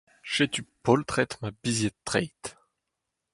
Setu poltred ma bizied treid